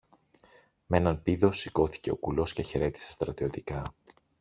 Μ' έναν πήδο σηκώθηκε ο κουλός και χαιρέτησε στρατιωτικά.